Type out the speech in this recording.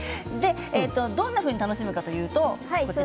どんなふうに楽しむかというと。